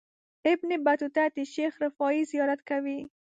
ابن بطوطه د شیخ رفاعي زیارت کوي.